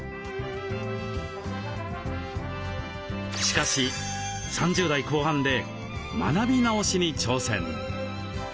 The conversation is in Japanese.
しかし３０代後半で学び直しに挑戦。